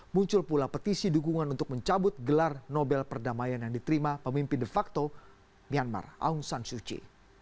muncul pula petisi dukungan untuk mencabut gelar nobel perdamaian yang diterima pemimpin de facto myanmar aung san syuchi